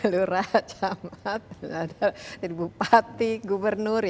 lurah camat jadi bupati gubernur